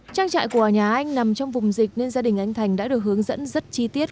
trang trại của nhà anh nằm trong vùng dịch nên gia đình anh thành đã được hướng dẫn rất chi tiết